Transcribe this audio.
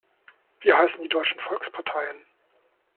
Wie heißen die deutschen Volksparteien?